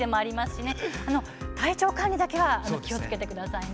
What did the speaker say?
体調管理だけは気をつけてくださいね。